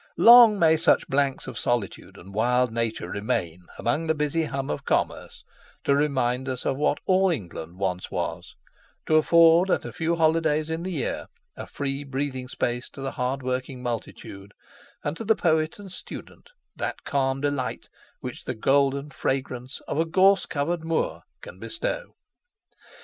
Long may such blanks of solitude and wild nature remain amid the busy hum of commerce to remind us of what all England once was, to afford, at a few holidays in the year, a free breathing place to the hardworking multitude, and to the poet and student that calm delight which the golden fragrance of a gorse covered moor can bestow.